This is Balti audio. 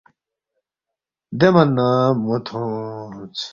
دے من نہ مو تھونس